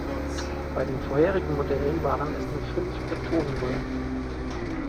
Bei den vorherigen Modellen waren es nur fünf Elektronenröhren.